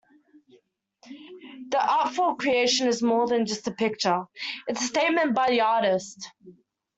This artful creation is more than just a picture, it's a statement by the artist.